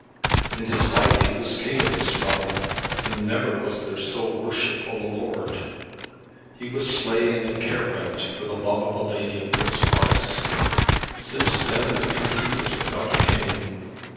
"In his life he was King of this realm, and never was there so worshipful a lord. He was slain at Caerwent for the love of a lady of those parts. Since then the country is without a King.